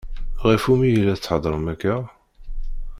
Ɣef umi i la theddṛem akka?